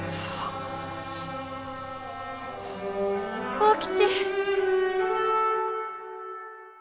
幸吉！